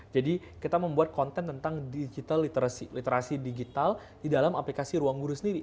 jadi kita membuat konten tentang digital literacy literasi digital di dalam aplikasi ruangguru sendiri